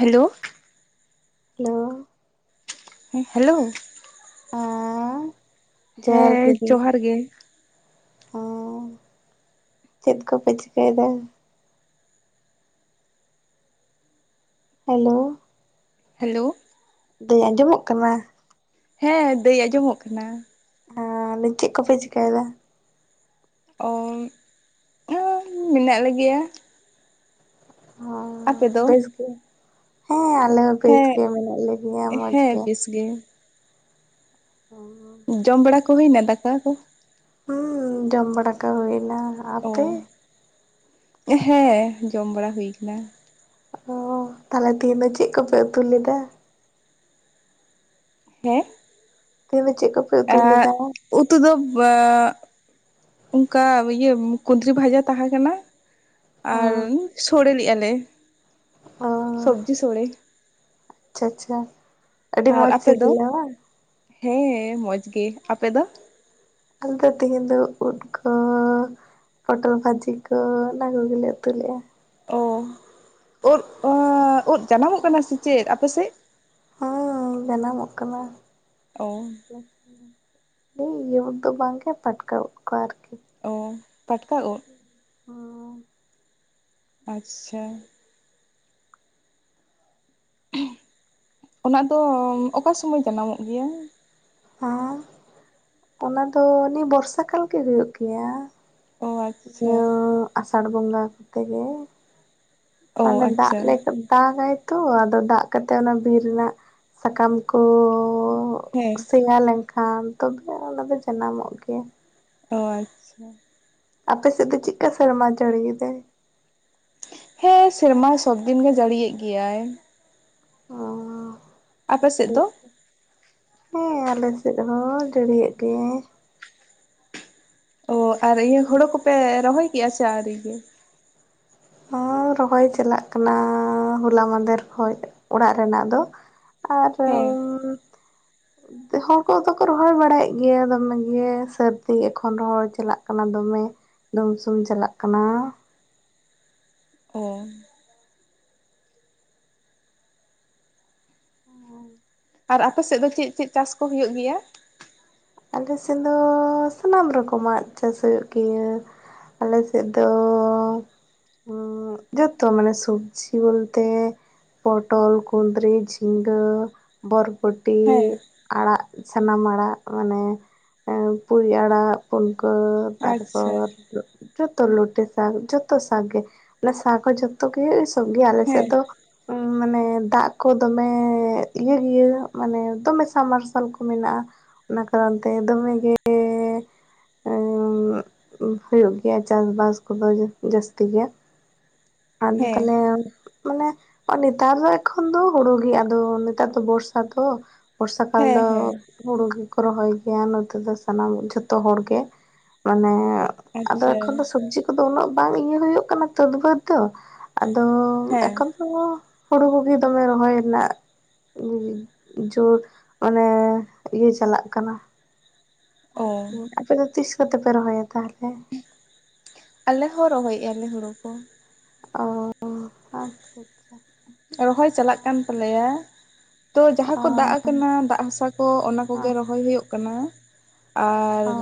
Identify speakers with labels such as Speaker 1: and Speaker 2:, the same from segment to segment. Speaker 1: Hello.
Speaker 2: Hello.
Speaker 1: ᱦᱮᱸ hello
Speaker 2: ᱦᱮᱸ ᱡᱚᱦᱟᱨ ᱜᱮ
Speaker 1: ᱦᱮᱸ
Speaker 2: ᱫᱤ
Speaker 1: ᱡᱚᱦᱟᱨ ᱜᱮ
Speaker 2: ᱚ ᱪᱮᱫ ᱠᱚᱯᱮ ᱪᱤᱠᱟᱹᱭ ᱮᱫᱟ? ᱦᱮᱞᱳ᱾
Speaker 1: ᱦᱮᱞᱳ᱾
Speaker 2: ᱫᱚᱭ ᱟᱸᱡᱚᱢᱚᱜ ᱠᱟᱱᱟ
Speaker 1: ᱦᱮ ᱫᱟᱹᱭ ᱟᱸᱡᱚᱢᱚᱜ ᱠᱟᱱᱟ᱾
Speaker 2: ᱟ ᱞᱟᱭᱫᱤᱧ ᱪᱮᱫ ᱠᱚᱯᱮ ᱪᱮᱠᱟᱭᱫᱟ
Speaker 1: ᱚ ᱢᱮᱱᱟᱜ ᱞᱮᱜᱮᱭᱟ
Speaker 2: ᱚ
Speaker 1: ᱟᱯᱮ ᱫᱚ
Speaker 2: ᱵᱮᱥ ᱜᱮ᱾ ᱦᱮᱸ ᱟᱞᱮ ᱦᱚᱸ ᱵᱮᱥ
Speaker 1: ᱦᱮᱸ
Speaker 2: ᱜᱮ ᱢᱮᱱᱟᱜ ᱞᱮᱜᱮᱭᱟ ᱢᱚᱡᱽ ᱜᱮ᱾
Speaker 1: [unintelligible]
Speaker 2: ᱚ
Speaker 1: ᱡᱚᱢ ᱵᱟᱲᱟ ᱠᱚ ᱦᱩᱭᱱᱟ ᱫᱟᱠᱟ ᱠᱚ
Speaker 2: ᱦᱩᱸ ᱡᱚᱢ ᱵᱟᱲᱟᱠᱚ ᱦᱩᱭᱱᱟ
Speaker 1: ᱚ
Speaker 2: ᱟᱯᱮ
Speaker 1: ᱦᱮᱸ ᱡᱚᱢ ᱵᱟᱲᱟ ᱦᱩᱭ ᱠᱟᱱᱟ
Speaker 2: ᱚ ᱛᱟᱦᱞᱮ ᱛᱮᱦᱤᱧ ᱫᱚ ᱪᱮᱫ ᱠᱚᱯᱮ ᱩᱛᱩ ᱞᱮᱫᱟ
Speaker 1: ᱦᱮᱸ
Speaker 2: ᱛᱮᱦᱮᱧ ᱫᱚ ᱪᱮᱜ ᱠᱚᱯᱮ ᱩᱛᱩ
Speaker 1: ᱟᱨ
Speaker 2: ᱞᱮᱫᱟ?
Speaker 1: ᱩᱛᱩ ᱫᱚ ᱚᱱᱠᱟ ᱤᱭᱟᱹ ᱠᱩᱫᱽᱨᱤ ᱵᱷᱟᱡᱟ ᱛᱟᱦᱮᱸ ᱠᱟᱱᱟ᱾
Speaker 2: ᱦᱮᱸ
Speaker 1: ᱟᱨ ᱥᱳᱲᱮ ᱞᱮᱜᱼᱟ ᱞᱮ
Speaker 2: ᱚ
Speaker 1: ᱥᱚᱵᱡᱤ ᱥᱳᱲᱮ
Speaker 2: ᱟᱪᱪᱷᱟ ᱟᱪᱪᱷᱟ᱾ ᱟᱹᱰᱤ
Speaker 1: ᱟᱨ
Speaker 2: ᱢᱚᱸᱡᱽ
Speaker 1: ᱟᱯᱮᱫ ᱫᱚ
Speaker 2: ᱥᱤᱵᱤᱞᱟ ᱵᱟᱝ
Speaker 1: ᱦᱮᱸ ᱢᱚᱡᱽ ᱜᱮ ᱟᱯᱮ ᱫᱚ
Speaker 2: ᱟᱞᱮ ᱫᱚ ᱛᱮᱦᱮᱧ ᱫᱚ ᱩᱫᱽᱠᱳ ᱯᱚᱴᱚᱞ ᱵᱷᱟᱹᱡᱤ ᱠᱚ ᱚᱱᱟ ᱠᱚᱜᱮᱞᱮ ᱩᱛᱩ ᱞᱮᱫ-ᱟ᱾
Speaker 1: ᱚ ᱳᱫᱽ ᱳᱫᱽ ᱡᱟᱱᱟᱢᱚᱜ ᱠᱟᱱᱟ ᱥᱮ ᱪᱮᱫ? ᱟᱯᱮᱥᱮᱫ
Speaker 2: ᱦᱚᱸ ᱡᱟᱱᱟᱢᱚᱜ ᱠᱟᱱᱟ
Speaker 1: ᱚ
Speaker 2: ᱦᱮᱸ ᱤᱭᱟᱹ ᱩᱫ ᱵᱟᱝᱜᱮ ᱯᱟᱴᱠᱟ ᱩᱫ ᱠᱚ ᱟᱨᱠᱤ
Speaker 1: ᱚ ᱯᱟᱴᱠᱟ ᱩᱫ
Speaker 2: ᱦᱩᱸ
Speaker 1: ᱟᱪᱪᱷᱟ ᱚᱱᱟ ᱫᱚᱢ ᱚᱠᱟ ᱥᱚᱢᱚᱭ ᱡᱟᱱᱟᱢᱚᱜ ᱜᱮᱭᱟ
Speaker 2: ᱟᱨ ᱚᱱᱟ ᱫᱚ ᱱᱤᱭ ᱵᱚᱨᱥᱟ ᱠᱟᱞ ᱜᱮ ᱦᱩᱭᱩᱜ ᱜᱮᱭᱟ
Speaker 1: ᱚ ᱟᱪᱪᱷᱟ
Speaker 2: ᱱᱤᱭᱟᱹ ᱟᱥᱟᱲ ᱵᱚᱸᱜᱟ ᱠᱚᱛᱮᱜᱮ
Speaker 1: ᱚ
Speaker 2: ᱢᱟᱱᱮ ᱫᱟᱜ
Speaker 1: ᱟᱪᱪᱷᱟ
Speaker 2: ᱞᱮᱠ ᱫᱟᱜᱟᱭ ᱛᱚ ᱟᱫᱚ ᱫᱟᱜ ᱠᱟᱛᱮᱜ ᱚᱱᱟ ᱵᱤᱨ ᱨᱮᱱᱟᱜ ᱥᱟᱠᱟᱢ ᱠᱚ
Speaker 1: ᱦᱮᱸ
Speaker 2: ᱥᱮᱭᱟ ᱞᱮᱱᱠᱷᱟᱱ ᱛᱚᱵᱮ ᱚᱱᱟ ᱫᱚ ᱡᱟᱱᱟᱢᱚᱜ ᱜᱮᱭᱟ
Speaker 1: ᱚ ᱟᱪᱪᱷᱟ
Speaker 2: ᱟᱯᱮ ᱥᱮᱫ ᱫᱚ ᱪᱮᱫᱠᱟ ᱥᱮᱨᱢᱟ ᱡᱟᱹᱲᱤ ᱮᱫᱟᱭ
Speaker 1: ᱦᱮᱸ ᱥᱮᱨᱢᱟ ᱥᱚᱵᱽ ᱫᱤᱱ ᱜᱮ ᱡᱟᱹᱲᱤᱭᱮᱫ ᱜᱮᱭᱟᱭ
Speaker 2: ᱚ
Speaker 1: ᱟᱯᱮ ᱥᱮᱫ ᱫᱚ
Speaker 2: ᱪᱮᱫ ᱦᱮᱸ ᱟᱞᱮ ᱥᱮᱫ ᱦᱚᱸ ᱡᱟᱹᱲᱤᱮᱫ ᱜᱮᱭᱟᱭ
Speaker 1: ᱚ ᱟᱨ ᱤᱭᱟᱹ ᱦᱚᱲᱚ ᱠᱚᱯᱮ ᱨᱚᱦᱚᱭ ᱠᱮᱜ-ᱟ ᱥᱮ ᱟᱣᱨᱤᱜᱮ
Speaker 2: ᱦᱚ ᱨᱚᱦᱚᱭ ᱪᱟᱞᱟᱜ ᱠᱟᱱᱟ ᱦᱚᱞᱟ ᱢᱟᱫᱷᱮᱨ ᱠᱷᱚᱡ ᱚᱲᱟᱜ ᱨᱮᱱᱟᱜ ᱫᱚ ᱟᱨᱚ
Speaker 1: ᱦᱮᱸ [inaudible]
Speaker 2: ᱦᱚᱲ ᱠᱚᱫᱚ ᱠᱚ ᱨᱚᱦᱚᱭ ᱵᱟᱲᱟᱭᱮᱫ ᱜᱮᱭᱟ ᱫᱚᱢᱮ ᱜᱮ ᱥᱟᱹᱨᱫᱤ ᱮᱫ ᱠᱷᱚᱱ ᱨᱚᱦᱚᱭ ᱪᱟᱞᱟᱜ ᱠᱟᱱᱟ ᱫᱚᱢᱮ ᱫᱚᱢᱥᱩᱢ ᱪᱟᱞᱟᱜ ᱠᱟᱱᱟ
Speaker 1: ᱦᱚ
Speaker 2: ᱚ
Speaker 1: ᱟᱨ ᱟᱯᱮ ᱥᱮᱫ ᱫᱚ ᱪᱮᱫ ᱪᱮᱫ ᱪᱟᱥ ᱠᱚ ᱦᱩᱭᱩᱜ ᱜᱮᱭᱟ?
Speaker 2: ᱟᱞᱮ ᱥᱮᱱ ᱫᱚ ᱥᱟᱱᱟᱢ ᱨᱚᱠᱚᱢᱟᱜ ᱪᱟᱥ ᱦᱩᱭᱩᱜ ᱜᱮᱭᱟ ᱟᱞᱮ ᱥᱮᱫ ᱫᱚ ᱡᱚᱛᱚ ᱢᱟᱱᱮ ᱥᱚᱵᱡᱤ ᱵᱚᱞᱛᱮ ᱯᱚᱴᱚᱞ ᱠᱩᱸᱫᱽᱨᱤ ᱡᱷᱤᱸᱜᱟᱹ ᱵᱚᱨᱵᱚᱴᱤ
Speaker 1: ᱦᱮᱸ
Speaker 2: ᱟᱲᱟᱜ ᱥᱟᱱᱟᱢ ᱟᱲᱟᱜ ᱢᱟᱱᱮ ᱯᱩᱨᱤ ᱟᱲᱟᱜ ᱯᱩᱱᱠᱟᱹ
Speaker 1: ᱟᱪᱪᱷᱟ
Speaker 2: ᱛᱟᱨᱯᱚᱨ ᱡᱚᱛᱚ ᱞᱚᱴᱮ ᱥᱟᱠ ᱡᱚᱛᱚ ᱥᱟᱠ ᱜᱮ ᱚᱱᱟ ᱥᱟᱠ ᱦᱚᱸ ᱡᱚᱛᱚ ᱜᱮ ᱥᱚᱵ ᱜᱮ ᱟᱞᱮ ᱥᱮᱫ
Speaker 1: ᱦᱮᱸ
Speaker 2: ᱫᱚ ᱢᱟᱱᱮ ᱫᱟᱜ ᱠᱚ ᱫᱚᱢᱮ ᱤᱭᱟᱹᱜᱮᱭᱟ ᱢᱟᱱᱮ ᱫᱚᱢᱮ ᱥᱟ ᱢᱟᱨᱥᱟᱞ ᱠᱚ ᱢᱮᱱᱟᱜ-ᱟ ᱚᱱᱟ ᱠᱟᱨᱚᱱ ᱛᱮ ᱫᱚᱢᱮᱜᱮ ᱮᱸᱜ ᱦᱩᱭᱩᱜ ᱜᱮᱭᱟ ᱪᱟᱥᱵᱟᱥ ᱠᱚᱫᱚ ᱡᱟᱹᱥᱛᱤ ᱜᱮᱭᱟ ᱟᱫᱚ
Speaker 1: ᱦᱮᱸ
Speaker 2: ᱛᱟᱦᱚᱞᱮ ᱢᱟᱱᱮ ᱱᱮᱛᱟᱨ ᱫᱚ ᱮᱠᱷᱚᱱ ᱫᱚ ᱦᱩᱲᱩ ᱜᱮ ᱟᱫᱚ ᱱᱮᱛᱟᱨ ᱫᱚ ᱵᱚᱨᱥᱟ ᱛᱚ ᱵᱚᱨᱥᱟ ᱠᱟᱞ
Speaker 1: ᱦᱮᱸ
Speaker 2: ᱫᱚ
Speaker 1: ᱦᱮᱸ
Speaker 2: ᱦᱩᱲᱩ ᱜᱮᱠᱚ ᱨᱚᱦᱚᱭ ᱜᱮᱭᱟ ᱱᱚᱛᱮ ᱫᱚ ᱥᱟᱱᱟᱢ ᱡᱚᱛᱚ ᱦᱚᱲ ᱜᱮ ᱢᱟᱱᱮ ᱟᱫᱚ
Speaker 1: ᱟᱪᱪᱷᱟ
Speaker 2: ᱮᱠᱷᱚᱱ ᱫᱚ ᱥᱚᱵᱽᱡᱤ ᱠᱚᱫᱚ ᱩᱱᱟᱹᱜ ᱵᱟᱝ ᱤᱭᱟᱹ ᱦᱩᱭᱩᱜ ᱠᱟᱱᱟ ᱛᱟᱹᱫᱵᱟᱹᱫᱽ ᱫᱚ ᱟᱫᱚ
Speaker 1: ᱦᱮᱸ
Speaker 2: ᱮᱠᱷᱚᱱ ᱫᱚ ᱦᱩᱲᱩ ᱠᱚᱜᱮ ᱫᱚᱢᱮ ᱨᱚᱦᱚᱭ ᱨᱮᱱᱟᱜ ᱡᱚᱨ ᱢᱟᱱᱮ ᱤᱭᱟᱹ ᱪᱟᱞᱟᱜ ᱠᱟᱱᱟ
Speaker 1: ᱚ
Speaker 2: ᱟᱨᱠᱤ ᱟᱯᱮ ᱫᱚ ᱛᱤᱥ ᱠᱚᱛᱮ ᱯᱮ ᱨᱚᱦᱚᱭᱟ ᱛᱟᱦᱞᱮ
Speaker 1: ᱟᱞᱮ ᱦᱚᱸ ᱨᱚᱦᱚᱭᱮᱫ-ᱟ ᱞᱮ ᱦᱩᱲᱩ ᱠᱚ
Speaker 2: ᱚ ᱚᱝᱠᱟ ᱛᱮ
Speaker 1: ᱨᱚᱦᱚᱭ ᱪᱟᱞᱟᱜ ᱠᱟᱱ ᱛᱟᱞᱮᱭᱟ ᱛᱚ ᱡᱟᱦᱟᱸ
Speaker 2: ᱚ
Speaker 1: ᱠᱚ ᱫᱟᱜ ᱠᱟᱱᱟ ᱫᱟᱜ ᱦᱟᱥᱟ ᱠᱚ ᱚᱱᱟ
Speaker 2: ᱚ
Speaker 1: ᱠᱚᱜᱮ ᱨᱚᱦᱚᱭ ᱦᱩᱭᱩᱜ ᱠᱟᱱᱟ ᱟᱨ
Speaker 2: ᱚ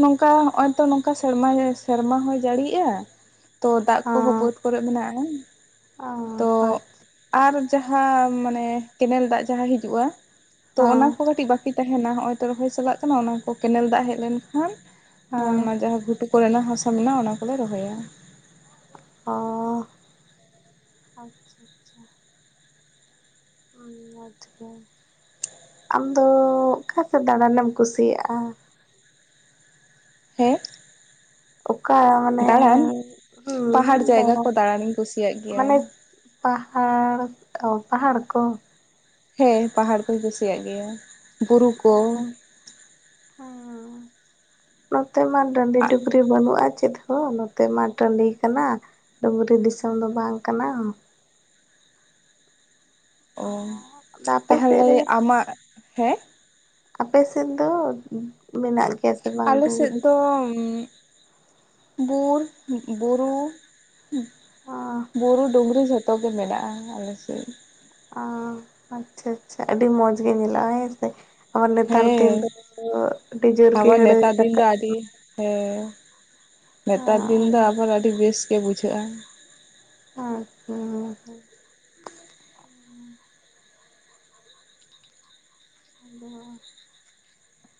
Speaker 1: ᱱᱚᱝᱠᱟ ᱦᱚᱜᱼᱚᱭ ᱛᱚ ᱱᱚᱝᱠᱟ ᱥᱮᱨᱢᱟ ᱥᱮᱨᱢᱟ ᱦᱚᱸᱭ ᱡᱟᱹᱲᱤᱜᱼᱟ᱾ ᱛᱚ ᱫᱟᱜ ᱠᱚᱦᱚᱸ
Speaker 2: ᱦᱮᱸ
Speaker 1: ᱵᱟᱹᱫᱽ ᱠᱚᱨᱮ ᱢᱮᱱᱟᱜᱼᱟ ᱛᱚ ᱟᱨ ᱡᱟᱦᱟᱸ ᱢᱟᱱᱮ ᱠᱮᱱᱮᱞ ᱫᱟᱜ ᱡᱟᱦᱟᱸ ᱦᱤᱡᱩᱜᱼᱟ ᱛᱚ ᱚᱱᱟ ᱠᱚ ᱠᱟᱹᱴᱤᱡ ᱵᱟᱠᱤ ᱛᱟᱦᱮᱱᱟ ᱱᱚᱜᱼᱚᱭ ᱛᱚ ᱨᱚᱦᱚᱭ ᱪᱟᱞᱟᱜ ᱠᱟᱱᱟ ᱚᱱᱟ ᱠᱚ ᱠᱮᱱᱮᱞ ᱫᱟᱜ ᱦᱮᱡ ᱞᱮᱱᱠᱷᱟᱱ ᱚᱱᱟ ᱡᱟᱦᱟᱸ ᱜᱷᱩᱴᱩ ᱠᱚᱨᱮᱱᱟᱜ ᱦᱟᱥᱟ ᱢᱮᱱᱟᱜᱼᱟ ᱚᱱᱟ ᱠᱚᱞᱮ ᱨᱚᱦᱚᱭᱟ
Speaker 2: ᱚ ᱟᱪᱪᱷᱟ ᱟᱪᱪᱷᱟ ᱢᱚᱡᱽ ᱜᱮ ᱟᱢ ᱫᱚ ᱚᱠᱟ ᱥᱮᱫ ᱫᱟᱬᱟᱱᱮᱢ ᱠᱩᱥᱤᱭᱟᱜᱼᱟ
Speaker 1: ᱦᱮᱸ
Speaker 2: ᱚᱠᱟ ᱢᱟᱱᱮ
Speaker 1: ᱫᱟᱬᱟᱱ
Speaker 2: ᱦᱩ
Speaker 1: ᱯᱟᱦᱟᱲ ᱡᱟᱭᱜᱟ ᱠᱚ ᱫᱟᱬᱟᱱᱤᱧ ᱠᱩᱥᱤᱭᱟᱜ
Speaker 2: ᱢᱟᱱᱮ
Speaker 1: ᱜᱮᱭᱟ
Speaker 2: ᱯᱟᱦᱟᱲ ᱚ ᱯᱟᱦᱟᱲ ᱠᱚ
Speaker 1: ᱦᱮᱸ ᱯᱟᱦᱟᱲ ᱠᱩᱧ ᱠᱩᱥᱤᱭᱟᱜ ᱜᱮᱭᱟ ᱵᱩᱨᱩ
Speaker 2: ᱚ
Speaker 1: ᱠᱚ
Speaker 2: ᱦᱮᱸ ᱦᱩᱸ ᱦᱩᱸ ᱱᱚᱛᱮ ᱢᱟ ᱴᱟᱺᱰᱤ ᱰᱩᱝᱨᱤ ᱵᱟᱹᱱᱩᱜᱼᱟ ᱪᱮᱫ ᱦᱳ ᱱᱚᱛᱮ ᱢᱟ ᱴᱟᱺᱰᱤ ᱠᱟᱱᱟ ᱰᱩᱝᱨᱤ ᱫᱤᱥᱚᱢ ᱫᱚ ᱵᱟᱝ ᱠᱟᱱᱟ
Speaker 1: ᱚ
Speaker 2: ᱟᱫᱚ ᱟᱯᱮ ᱥᱮᱫ
Speaker 1: ᱛᱟᱦᱚᱞᱮ
Speaker 2: ᱨᱮ
Speaker 1: ᱟᱢᱟᱜ ᱦᱮᱸ
Speaker 2: ᱟᱯᱮ ᱥᱮᱫ ᱫᱚ ᱢᱮᱱᱟᱜ ᱜᱮᱭᱟ ᱵᱟᱝ
Speaker 1: ᱟᱞᱮ ᱥᱮᱫ
Speaker 2: ᱰᱩᱝᱨᱤ
Speaker 1: ᱫᱚ [unintelligible] ᱵᱩᱨᱩ
Speaker 2: ᱚ
Speaker 1: ᱵᱩᱨᱩ ᱰᱩᱝᱨᱤ ᱡᱷᱚᱛᱚ ᱜᱮ ᱢᱮᱱᱟᱜᱼᱟ ᱟᱞᱮᱥᱮᱫ
Speaker 2: ᱚ ᱟᱪᱪᱷᱟ ᱟᱪᱪᱷᱟ ᱟᱹᱰᱤ ᱢᱚᱸᱡᱽ ᱜᱮ ᱧᱮᱞᱚᱜᱼᱟ ᱦᱮᱸᱥᱮ ᱱᱮᱛᱟᱨ ᱫᱤᱱ ᱫᱚ
Speaker 1: ᱦᱮᱸ
Speaker 2: ᱟᱹᱰᱤ ᱡᱳᱨ ᱜᱮ
Speaker 1: ᱟᱵᱟᱨ
Speaker 2: ᱦᱟᱹᱲᱭᱟᱹᱨ
Speaker 1: ᱱᱮᱛᱟᱨ ᱫᱤᱱ ᱫᱚ
Speaker 2: ᱨᱟᱠᱟᱵᱟ
Speaker 1: ᱟᱹᱰᱤ ᱦᱮᱸ ᱱᱮᱛᱟᱨ
Speaker 2: ᱠᱟᱱᱟ
Speaker 1: ᱫᱤᱱ ᱫᱚ ᱟᱵᱟᱨ ᱟᱹᱰᱤ ᱵᱮᱥ ᱜᱮ ᱵᱩᱡᱷᱟᱹᱜᱼᱟ
Speaker 2: ᱟᱪᱪᱷᱟ ᱟᱫᱚ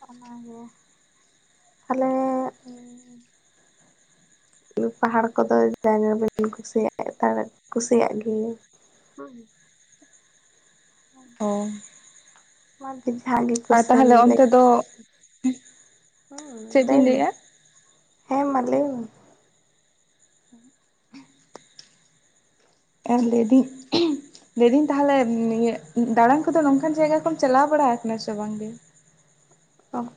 Speaker 2: ᱚᱱᱟᱜᱮ ᱛᱟᱦᱞᱮ ᱯᱟᱦᱟᱲ ᱠᱚᱫᱚ ᱡᱟᱭᱜᱟ ᱵᱟᱹᱧ ᱠᱩᱥᱤᱭᱟᱜ ᱠᱩᱥᱤᱭᱟᱜ ᱜᱮᱭᱟᱹᱧ ᱦᱩᱸ
Speaker 1: ᱚ
Speaker 2: ᱟᱢᱟᱜ ᱫᱚ ᱡᱟᱦᱟ ᱜᱮ [unintelligible] ᱵᱷᱟᱞᱮ ᱜᱮ
Speaker 1: ᱟᱨ
Speaker 2: ᱠᱩᱥᱟᱹᱞ
Speaker 1: ᱛᱟᱦᱚᱞᱮ
Speaker 2: ᱞᱮ
Speaker 1: ᱚᱱᱛᱮ ᱫᱚ
Speaker 2: ᱦᱩᱸ
Speaker 1: ᱪᱮᱫ
Speaker 2: ᱞᱟᱹᱭ
Speaker 1: ᱵᱤᱱ
Speaker 2: ᱢᱮ
Speaker 1: ᱞᱟᱹᱭᱮᱫᱼᱟ
Speaker 2: ᱦᱮᱸ ᱢᱟ ᱞᱟᱹᱭ ᱢᱮ
Speaker 1: ᱟᱨ ᱞᱟᱹᱭ ᱤᱫᱟᱹᱤᱧ ᱞᱟᱹᱭᱫᱟᱹᱧ ᱛᱟᱦᱚᱞᱮ ᱫᱟᱬᱟᱱ ᱠᱚᱫᱚ ᱱᱚᱝᱠᱟᱱ ᱡᱟᱭᱜᱟ ᱠᱚᱢ ᱪᱟᱞᱟᱣ ᱵᱟᱲᱟ ᱟᱠᱟᱱᱟ ᱥᱮ ᱵᱟᱝᱜᱮ
Speaker 2: ᱚᱸᱦ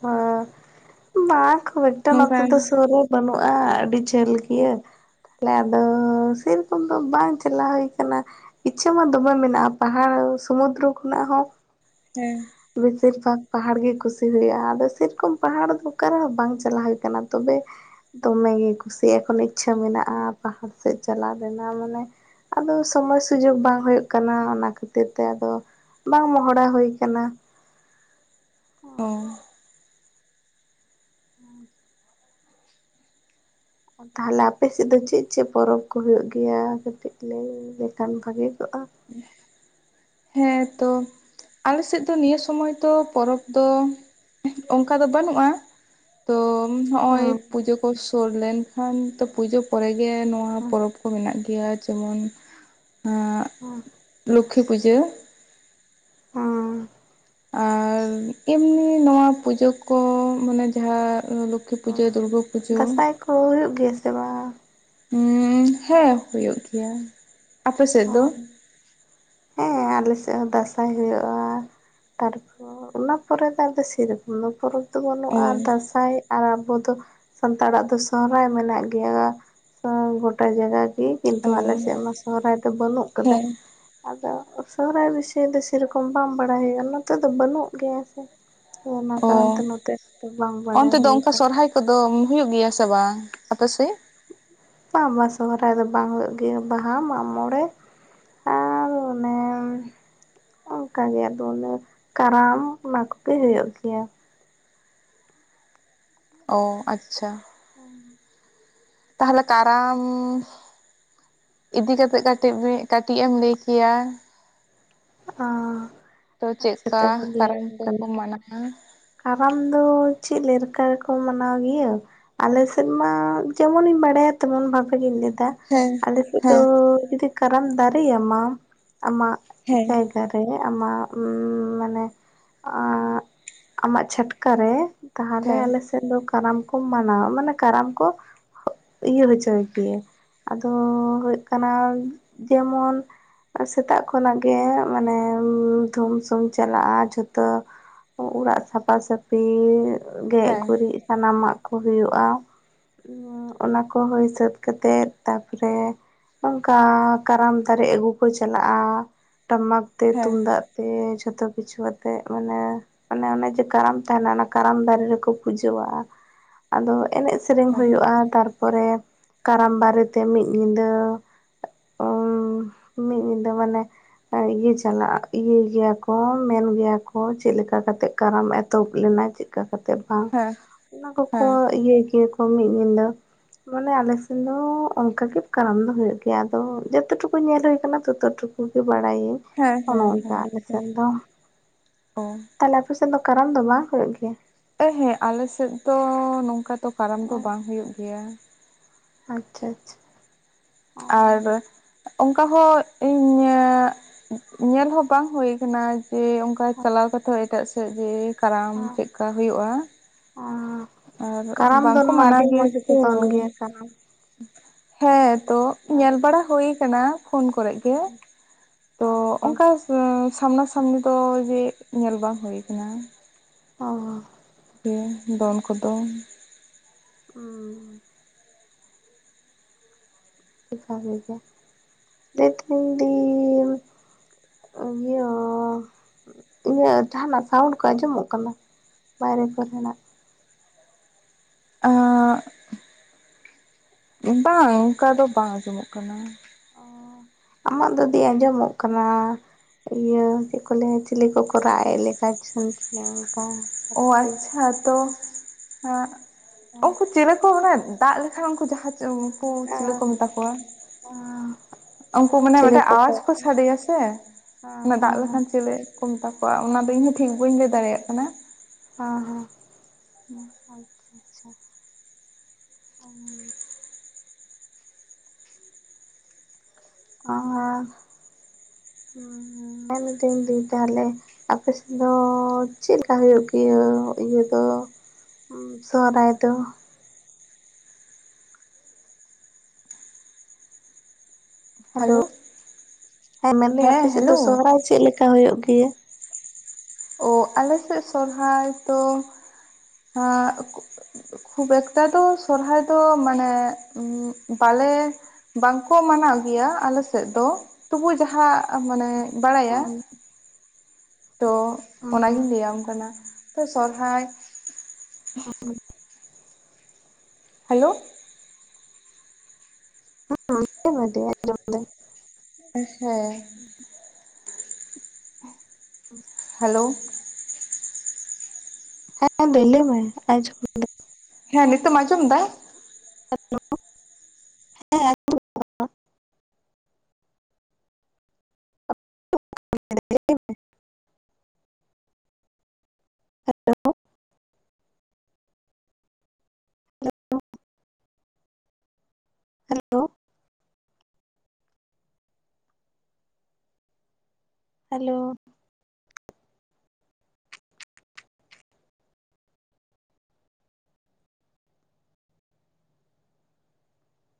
Speaker 2: ᱫᱟᱲᱟ ᱠᱩᱫᱚ ᱱᱚᱛᱮ
Speaker 1: ᱱᱚᱝᱠᱟᱱ
Speaker 2: ᱫᱚ ᱥᱩᱨ ᱨᱮ ᱵᱟᱹᱱᱩᱜᱼᱟ ᱟᱹᱰᱤ ᱡᱷᱟᱹᱞ ᱜᱮᱭᱟᱹ ᱛᱟᱦᱮ ᱟᱫᱚ ᱥᱮᱨᱚᱠᱚᱢ ᱫᱚ ᱵᱟᱝ ᱪᱟᱞᱟᱣ ᱦᱩᱭ ᱟᱠᱟᱱᱟ ᱤᱪᱪᱷᱟᱹ ᱢᱟ ᱫᱚᱢᱮ ᱢᱮᱱᱟᱜᱼᱟ ᱯᱟᱦᱟᱲ ᱥᱩᱢᱩᱫᱨᱚ ᱠᱷᱚᱱᱟᱜ ᱦᱚᱸ
Speaker 1: ᱦᱮᱸ
Speaker 2: ᱵᱮᱥᱤᱨ ᱵᱷᱟᱜᱽ ᱯᱟᱦᱟᱲ ᱜᱮ ᱠᱩᱥᱤ ᱦᱩᱭᱩᱜᱼᱟ ᱟᱫᱚ ᱥᱮᱨᱚᱠᱚᱢ ᱯᱟᱦᱟᱲ ᱫᱚ ᱚᱠᱟᱨᱮ ᱵᱟᱝ ᱪᱟᱞᱟᱣ ᱦᱩᱭ ᱠᱟᱱᱟ ᱛᱚᱵᱮ ᱫᱚᱢᱮᱜᱮ ᱠᱩᱥᱤ ᱮᱠᱷᱚᱱ ᱤᱪᱪᱷᱟᱹ ᱢᱮᱱᱟᱜᱼᱟ ᱯᱟᱦᱟᱲ ᱥᱮᱫ ᱪᱟᱞᱟᱜ ᱨᱮᱱᱟᱜ ᱢᱟᱱᱮ ᱟᱫᱚ ᱥᱚᱢᱚᱭ ᱥᱩᱡᱳᱜᱽ ᱵᱟᱝ ᱦᱩᱭᱩᱜ ᱠᱟᱱᱟ ᱚᱱᱟ ᱠᱷᱟᱹᱛᱤᱨ ᱛᱮ ᱟᱫᱚ ᱵᱟᱝ ᱢᱚᱱᱮ ᱦᱩᱭ ᱟᱠᱟᱱᱟ
Speaker 1: ᱚ
Speaker 2: ᱦᱩᱸ ᱛᱟᱦᱚᱞᱮ ᱟᱯᱮ ᱥᱮᱫ ᱫᱚ ᱪᱮᱫ ᱪᱮᱫ ᱯᱚᱨᱚᱵᱽ ᱠᱚ ᱦᱩᱭᱩᱜ ᱜᱮᱭᱟ ᱠᱟᱹᱴᱤᱡ ᱞᱟᱹᱭ ᱢᱮ ᱞᱮᱠᱷᱟᱱ ᱵᱷᱟᱜᱤ ᱠᱚᱜᱼᱟ
Speaker 1: ᱦᱮᱸ ᱛᱚ ᱟᱞᱮ ᱥᱮᱫ ᱫᱚ ᱱᱤᱭᱟᱹ ᱥᱚᱢᱚᱭ ᱫᱚ ᱯᱚᱨᱚᱵᱽ ᱫᱚ ᱚᱱᱠᱟ ᱫᱚ ᱵᱟᱹᱱᱩᱜᱼᱟ ᱛᱚ ᱱᱚᱜᱼᱚᱭ
Speaker 2: ᱦᱮᱸ
Speaker 1: ᱯᱩᱡᱟᱹ ᱠᱚ ᱥᱩᱨ ᱞᱮᱱᱠᱷᱟᱱ ᱯᱩᱡᱟᱹ ᱯᱚᱨᱮ ᱜᱮ ᱱᱚᱣᱟ
Speaker 2: ᱦᱮᱸ
Speaker 1: ᱯᱚᱨᱚᱵᱽ ᱠᱚ ᱢᱮᱱᱟᱜ ᱜᱮᱭᱟ ᱡᱮᱢᱚᱱ
Speaker 2: ᱦᱮᱸ
Speaker 1: ᱞᱚᱠᱠᱷᱤ ᱯᱩᱡᱟᱹ
Speaker 2: ᱚ
Speaker 1: ᱟᱨ ᱮᱢᱱᱤ ᱱᱚᱣᱟ ᱯᱩᱡᱟᱹ ᱠᱚ ᱢᱟᱱᱮ ᱡᱟᱦᱟᱸ ᱞᱚᱠᱠᱷᱤ ᱯᱩᱡᱟᱹ ᱫᱩᱨᱜᱟᱹ ᱯᱩᱡᱟᱹ
Speaker 2: ᱚ ᱦᱩᱭᱩᱜ ᱜᱮᱭᱟ ᱥᱮ ᱵᱟᱝ
Speaker 1: ᱩ ᱦᱮᱸ ᱦᱩᱭᱩᱜ ᱜᱮᱭᱟ ᱟᱯᱮ ᱥᱮᱫ
Speaker 2: ᱚ
Speaker 1: ᱫᱚ [inaudible]
Speaker 2: ᱦᱮᱸ ᱟᱞᱮ ᱥᱮᱫ ᱦᱚᱸ ᱫᱟᱸᱥᱟᱭ ᱦᱩᱭᱩᱜᱼᱟ ᱛᱟᱨᱯᱚᱨ ᱚᱱᱟ ᱯᱚᱨᱮ ᱫᱚ ᱟᱫᱚ ᱥᱮᱨᱚᱠᱚᱢ ᱫᱚ ᱯᱚᱨᱚᱵᱽ ᱫᱚ
Speaker 1: ᱚ
Speaker 2: ᱵᱟᱹᱱᱩᱜᱼᱟ ᱫᱟᱥᱟᱸᱭ ᱟᱨ ᱟᱵᱚ ᱫᱚ ᱥᱟᱱᱛᱟᱲᱟᱜ ᱫᱚ ᱥᱚᱦᱨᱟᱭ ᱢᱮᱱᱟᱜ ᱜᱮᱭᱟ ᱜᱚᱴᱟ ᱡᱟᱭᱜᱟ ᱜᱮ ᱠᱤᱱᱛᱩ
Speaker 1: ᱚ
Speaker 2: ᱟᱞᱮ ᱥᱮᱫ ᱢᱟ ᱥᱚᱦᱨᱟᱭ ᱫᱚ ᱵᱟᱹᱱᱩᱜ ᱠᱟᱫᱟ
Speaker 1: ᱦᱮᱸ
Speaker 2: ᱟᱫᱚ ᱥᱚᱦᱨᱟᱭ ᱵᱤᱥᱚᱭ ᱫᱚ ᱥᱮᱭᱨᱚᱠᱚᱢ ᱵᱟᱝ ᱵᱟᱲᱟᱭ ᱦᱩᱭᱩᱜ-ᱟ ᱱᱚᱛᱮᱫᱚ ᱵᱟᱹᱱᱩᱜ ᱜᱮᱭᱟ ᱥᱮ ᱚᱱᱟ
Speaker 1: ᱚ
Speaker 2: ᱠᱟᱨᱚᱱ ᱛᱮ ᱱᱚᱛᱮ ᱵᱟᱝ ᱵᱟᱰᱟᱭ ᱦᱩᱭ ᱟᱠᱟᱱᱟ
Speaker 1: ᱠᱚᱫᱚᱢ ᱦᱩᱭᱩᱜ ᱜᱮᱭᱟ ᱥᱮ ᱵᱟᱝ ᱟᱯᱮᱥᱮᱫ
Speaker 2: ᱵᱟᱝ ᱵᱟ ᱥᱚᱦᱚᱨᱟᱭ ᱫᱚ ᱵᱟᱝ ᱦᱩᱭᱩᱜ ᱜᱮᱭᱟ ᱵᱟᱦᱟ ᱢᱟᱜᱢᱚᱬᱮ
Speaker 1: [inaudible]
Speaker 2: ᱚᱱᱠᱟ ᱜᱮ ᱟᱫᱚ ᱚᱱᱮ ᱠᱟᱨᱟᱢ ᱚᱱᱟ ᱠᱚᱜᱮ ᱦᱩᱭᱩᱜ ᱜᱮᱭᱟ
Speaker 1: ᱚ ᱟᱪᱪᱷᱟ
Speaker 2: ᱦᱩᱸ
Speaker 1: ᱛᱟᱦᱞᱮ ᱠᱟᱨᱟᱢ ᱤᱫᱤ ᱠᱟᱛᱮᱜ ᱠᱟᱹᱴᱤᱡ ᱠᱟᱹᱴᱤᱡ ᱮᱢ ᱞᱟᱹᱭ ᱠᱮᱭᱟ
Speaker 2: ᱚ [unintelligible]
Speaker 1: ᱛᱚ ᱪᱮᱫ ᱞᱮᱠᱟ ᱠᱟᱨᱟᱢ ᱠᱚᱠᱚ
Speaker 2: ᱠᱟᱱᱟᱹᱧ
Speaker 1: ᱢᱟᱱᱟᱣ-ᱟ
Speaker 2: ᱠᱟᱨᱟᱢ ᱫᱚ ᱪᱮᱫ ᱞᱮᱠᱟ ᱨᱮᱠᱚ ᱢᱟᱱᱟᱣ ᱜᱮᱭᱟ ᱟᱞᱮ ᱥᱮᱫ ᱢᱟ ᱡᱮᱢᱚᱱᱤᱧ ᱵᱟᱲᱟᱭᱟ ᱛᱮᱢᱚᱱ ᱵᱷᱟᱵᱮ ᱜᱤᱧ ᱞᱟᱹᱭᱫᱟ
Speaker 1: ᱦᱮᱸ
Speaker 2: ᱟᱞᱮ ᱥᱮᱫ ᱫᱚ
Speaker 1: ᱦᱮᱸ
Speaker 2: ᱡᱩᱫᱤ ᱠᱟᱨᱟᱢ ᱫᱟᱨᱮᱭᱟᱢᱟ ᱟᱢᱟᱜ
Speaker 1: ᱦᱮᱸ
Speaker 2: ᱡᱟᱭᱜᱟ ᱨᱮ ᱟᱢᱟᱜ ᱢᱟᱱᱮ ᱟᱢᱟᱜ ᱪᱷᱟᱴᱠᱟᱨᱮ ᱛᱟᱦᱞᱮ
Speaker 1: ᱦᱮᱸ
Speaker 2: ᱟᱞᱮ ᱥᱮᱫ ᱫᱚ ᱠᱟᱨᱟᱢ ᱠᱚ ᱢᱟᱱᱟᱣᱟ ᱢᱟᱱᱮ ᱠᱟᱨᱟᱢ ᱠᱚ ᱤᱭᱟᱹ ᱦᱚᱪᱚᱭ ᱜᱮᱭᱟᱹ ᱟᱫᱚ ᱦᱩᱭᱩᱜ ᱠᱟᱱᱟ ᱡᱮᱢᱚᱱ ᱥᱮᱛᱟᱜ ᱠᱷᱚᱱᱟᱜ ᱜᱮ ᱢᱟᱱᱮ ᱫᱷᱩᱢᱥᱩᱢ ᱪᱟᱞᱟᱜᱼᱟ ᱡᱷᱚᱛᱚ ᱚᱲᱟᱜ ᱥᱟᱯᱷᱟ ᱥᱟᱟᱹᱯᱷᱤ ᱜᱮᱡ ᱜᱩᱨᱤᱡ ᱥᱟᱱᱟᱢᱟᱜ ᱠᱚ ᱦᱩᱭᱩᱜᱼᱟ ᱚᱱᱟ ᱠᱚ ᱦᱩᱭ ᱥᱟᱹᱛ ᱠᱟᱛᱮᱜ ᱛᱟᱨᱯᱚᱨᱮ ᱚᱱᱠᱟ ᱠᱟᱨᱟᱢ ᱫᱟᱨᱮ ᱟᱹᱜᱩ ᱠᱚ ᱪᱟᱞᱟᱜᱼᱟ ᱴᱟᱢᱟᱠ ᱛᱮ
Speaker 1: ᱦᱮᱸ
Speaker 2: ᱛᱩᱢᱫᱟᱜ ᱛᱮ ᱡᱷᱚᱛᱚ ᱠᱤᱪᱷᱩ ᱟᱛᱮ ᱢᱟᱱᱮ ᱟᱱᱮ ᱚᱱᱮ ᱠᱟᱨᱟᱢ ᱛᱟᱦᱮᱱᱟ ᱚᱱᱟ ᱠᱟᱨᱟᱢ ᱫᱟᱨᱮ ᱨᱮᱠᱚ ᱯᱩᱡᱟᱹᱣᱟᱜᱼᱟ ᱟᱫᱚ ᱮᱱᱮᱡ ᱥᱮᱨᱮᱧ
Speaker 1: ᱦᱮᱸ
Speaker 2: ᱦᱩᱭᱩᱜᱼᱟ ᱛᱟᱨ ᱯᱚᱨᱮ ᱠᱟᱨᱟᱢ ᱵᱟᱨᱮᱛᱮ ᱢᱤᱫ ᱧᱤᱫᱟᱹ
Speaker 1: [unintelligible]
Speaker 2: ᱢᱤᱫ ᱧᱤᱫᱟᱹ ᱢᱟᱱᱮ ᱤᱭᱟᱹ ᱪᱟᱞᱟᱜ- ᱤᱭᱟᱹ ᱜᱮᱭᱟ ᱠᱚ ᱢᱮᱱ ᱜᱮᱭᱟ ᱠᱚ ᱪᱮᱫ ᱞᱮᱠᱟ ᱠᱟᱛᱮᱜ ᱠᱟᱨᱟᱢ ᱮ ᱮᱛᱚᱦᱚᱵ ᱞᱮᱱᱟ ᱪᱮᱫᱠᱟ ᱠᱟᱛᱮᱫ ᱵᱟᱝ
Speaker 1: ᱦᱮᱸ
Speaker 2: ᱚᱱᱟ ᱠᱚᱠᱚ
Speaker 1: ᱦᱮᱸ
Speaker 2: ᱤᱭᱟᱹᱭ ᱜᱮᱭᱟ ᱠᱚ ᱢᱤᱫ ᱧᱤᱫᱟᱹ ᱢᱟᱱᱮ ᱟᱞᱮ ᱥᱮᱱ ᱫᱚ ᱚᱱᱠᱟ ᱜᱮ ᱠᱟᱨᱟᱢ ᱫᱚ ᱦᱩᱭᱩᱜ ᱜᱮᱭᱟ ᱟᱫᱚ ᱡᱚᱛᱚ ᱴᱩᱠᱩ ᱧᱮᱞ ᱦᱩᱭ ᱟᱠᱟᱱᱟ ᱛᱚᱛ ᱴᱩᱠᱩ ᱠᱚᱜᱮ ᱵᱟᱲᱟᱭᱟᱹᱧ
Speaker 1: ᱦᱮᱸ
Speaker 2: ᱚᱱᱮ
Speaker 1: ᱦᱮᱸ
Speaker 2: ᱚᱱᱠᱟ
Speaker 1: ᱦᱮᱸ
Speaker 2: ᱟᱞᱮ
Speaker 1: ᱟᱪᱪᱷᱟ
Speaker 2: ᱥᱮᱫ ᱫᱚ
Speaker 1: ᱚ
Speaker 2: ᱛᱟᱦᱚᱞᱮ ᱟᱯᱮ ᱥᱮᱫ ᱫᱚ ᱠᱟᱨᱟᱢ ᱫᱚ ᱵᱟᱝ ᱦᱩᱭᱩᱜ ᱜᱮᱭᱟ
Speaker 1: ᱮ ᱦᱮᱸᱜ ᱟᱞᱮ ᱥᱮᱫ ᱫᱚ ᱱᱚᱝᱠᱟ ᱫᱚ ᱠᱟᱨᱟᱢ ᱫᱚ ᱵᱟᱝ ᱦᱩᱭᱩᱜ ᱜᱮᱭᱟ
Speaker 2: ᱟᱪᱪᱷᱟ ᱟᱪᱪᱷᱟ
Speaker 1: ᱟᱨ ᱚᱱᱠᱟ ᱦᱚᱸ ᱤᱧ ᱧᱮᱞ ᱦᱚᱸ ᱵᱟᱝ ᱦᱩᱭ ᱟᱠᱟᱱᱟ ᱡᱮ ᱚᱠᱟ ᱪᱟᱞᱟᱣ
Speaker 2: ᱟᱪᱪᱷᱟ
Speaker 1: ᱠᱟᱛᱮᱫ ᱮᱴᱟᱜ ᱥᱮᱫ ᱡᱮ ᱠᱟᱨᱟᱢ ᱪᱮᱫᱠᱟ ᱦᱩᱭᱩᱜᱼᱟ ᱟᱨ
Speaker 2: ᱠᱟᱨᱟᱢ ᱫᱚᱱ
Speaker 1: ᱵᱟᱝᱠᱚ
Speaker 2: ᱢᱟ
Speaker 1: ᱢᱟᱱᱟᱣ
Speaker 2: ᱟᱹᱰᱤ
Speaker 1: ᱜᱮᱭᱟ
Speaker 2: ᱢᱚᱸᱡᱽ ᱜᱮᱠᱚ
Speaker 1: ᱛᱚ
Speaker 2: ᱫᱚᱱ ᱜᱮᱭᱟ ᱠᱟᱨᱟᱢ
Speaker 1: ᱦᱮᱸ ᱛᱚ ᱧᱮᱞ ᱵᱟᱲᱟ ᱦᱩᱭ ᱟᱠᱟᱱᱟ ᱯᱷᱳᱱ ᱠᱚᱨᱮ ᱜᱮ ᱛᱚ ᱚᱱᱠᱟ
Speaker 2: ᱵᱷᱟᱜᱮ
Speaker 1: ᱥᱟᱢᱱᱟ ᱥᱟᱢᱱᱤ ᱫᱚ ᱡᱮ ᱧᱮᱞ ᱵᱟᱝ ᱦᱩᱭ ᱟᱠᱟᱱᱟ
Speaker 2: ᱚ
Speaker 1: ᱫᱚᱱ ᱠᱚᱫᱚ
Speaker 2: ᱦᱩᱸ ᱥᱟᱨᱤ ᱜᱮ ᱞᱟᱹᱭ ᱛᱟᱦᱮᱧ ᱫᱤ ᱤᱭᱟᱹ ᱤᱧᱟᱹᱜ ᱡᱟᱦᱟᱸᱱᱟᱜ ᱥᱟᱣᱩᱱ ᱠᱚ ᱟᱸᱡᱚᱢᱚᱜ ᱠᱟᱱᱟ ᱵᱟᱭᱨᱮ ᱠᱚ ᱨᱮᱱᱟᱜ
Speaker 1: [unintelligible] ᱵᱟᱝ ᱚᱱᱠᱟ ᱫᱚ ᱵᱟᱝ ᱟᱸᱡᱚᱢᱚᱜ ᱠᱟᱱᱟ
Speaker 2: ᱟᱢᱟᱜ ᱫᱚ ᱫᱤ ᱟᱸᱡᱚᱢᱚᱜ ᱠᱟᱱᱟ ᱤᱭᱟᱹ ᱪᱮᱫ ᱠᱚ ᱞᱟᱹᱭᱼᱟ ᱪᱤᱞᱤ ᱠᱚ ᱠᱚ ᱨᱟᱜ ᱮᱫ ᱞᱮᱠᱟ ᱪᱷᱚᱝ ᱪᱷᱚᱝ ᱚᱱᱠᱟ
Speaker 1: ᱚ ᱟᱪᱪᱷᱟ ᱛᱚ ᱩᱱᱠᱩ ᱪᱮᱞᱮ ᱠᱚ ᱢᱟᱱᱮ ᱫᱟᱜ ᱞᱮᱠᱷᱟᱱ ᱩᱱᱠᱩ ᱡᱟᱦᱟᱸ ᱩᱱᱠᱩ ᱪᱤᱞᱮ ᱠᱚ ᱢᱮᱛᱟ ᱠᱚᱣᱟ ᱩᱱᱠᱩ
Speaker 2: ᱟᱨᱠᱤ
Speaker 1: ᱢᱟᱱᱮ
Speaker 2: ᱪᱤᱞᱤ
Speaker 1: ᱢᱤᱫᱴᱟᱝ
Speaker 2: ᱠᱚᱠᱚ
Speaker 1: ᱟᱣᱟᱡ ᱠᱚ
Speaker 2: ᱦᱮᱸ
Speaker 1: ᱥᱟᱰᱮᱭᱟ ᱥᱮ
Speaker 2: ᱦᱮᱸ
Speaker 1: ᱚᱱᱟ ᱫᱟᱜ
Speaker 2: ᱦᱮᱸ
Speaker 1: ᱞᱮᱠᱷᱟᱱ ᱪᱮᱞᱮ ᱠᱚ ᱢᱮᱛᱟ ᱠᱚᱣᱟ
Speaker 2: ᱦᱮᱸ
Speaker 1: ᱚᱱᱟ ᱫᱚ ᱤᱧᱦᱚᱸ ᱴᱷᱤᱠ ᱵᱟᱹᱧ ᱞᱟᱹᱭ ᱫᱟᱲᱮᱭᱟᱜ ᱠᱟᱱᱟ
Speaker 2: ᱦᱚᱸ ᱦᱚᱸ
Speaker 1: ᱦᱩᱸ
Speaker 2: ᱟᱪᱪᱷᱟ ᱟᱪᱪᱷᱟ ᱟ ᱢᱮᱱ ᱫᱟᱹᱧ ᱫᱤ ᱛᱟᱦᱞᱮ ᱟᱯᱮ ᱥᱮᱫ ᱫᱚ ᱪᱮᱫ ᱞᱮᱠᱟ ᱦᱩᱭᱩᱜ ᱜᱮᱭᱟᱹ ᱤᱭᱟᱹ ᱫᱚ ᱦᱩᱸ ᱥᱚᱦᱨᱟᱭ ᱛᱚ ᱦᱮᱞᱳ ᱦᱮᱸ ᱢᱮᱱ ᱫᱟᱹᱧ ᱟᱯᱮ ᱥᱮᱫ ᱫᱚ ᱥᱚᱦᱨᱟᱭ ᱪᱮᱫ ᱞᱮᱠᱟ ᱦᱩᱭᱩᱜ ᱜᱮᱭᱟ
Speaker 1: ᱚ ᱟᱞᱮ ᱥᱮᱫ ᱥᱚᱨᱦᱟᱭ ᱫᱚ ᱦᱟᱸᱜ ᱠᱷᱩᱵ ᱮᱠᱴᱟ ᱫᱚ ᱥᱚᱨᱦᱟᱭ ᱫᱚ ᱢᱟᱱᱮ ᱵᱟᱞᱮ ᱵᱟᱝᱠᱚ ᱢᱟᱱᱟᱣ ᱜᱮᱭᱟ ᱟᱞᱮ ᱥᱮᱫ ᱫᱚ ᱛᱚᱵᱩ ᱡᱟᱦᱟᱸ ᱢᱟᱱᱮ ᱵᱟᱲᱟᱭᱟ ᱛᱚ ᱚᱱᱟ ᱜᱤᱧ ᱞᱟᱹᱭᱟᱢ ᱠᱟᱱᱟ ᱛᱚ ᱥᱚᱨᱦᱟᱭ
Speaker 2: ᱟᱨ
Speaker 1: ᱦᱮᱞᱳ
Speaker 2: ᱦᱮᱸ ᱟᱡᱟᱢ ᱮᱫᱟᱹᱧ ᱟᱡᱚᱢ ᱮᱫᱟᱹᱧ
Speaker 1: ᱦᱮᱸ ᱦᱮᱞᱳ
Speaker 2: ᱦᱮᱸ ᱫᱤ ᱞᱟᱹᱭ ᱢᱮ ᱟᱡᱚᱢ ᱫᱟ. ᱧ
Speaker 1: ᱦᱮᱸ ᱱᱤᱛᱚᱢ ᱟᱸᱡᱚᱢ ᱮᱫᱟ ᱻ
Speaker 2: ᱻ ᱦᱮᱞᱳ ᱦᱮᱞᱳ [inaudible]